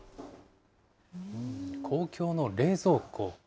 公共の冷蔵庫？